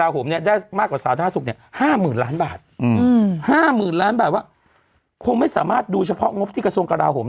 ๕หมื่นล้านบาทว่าคงไม่สามารถดูเฉพาะงบที่กระทรวงกระดาษผม